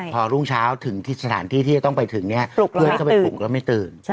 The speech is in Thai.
พอรุ่งเช้าถึงที่สถานที่ที่จะต้องไปถึงเนี่ยเพื่อนเข้าไปปลุกแล้วไม่ตื่น